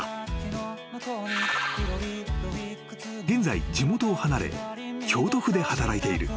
［現在地元を離れ京都府で働いている］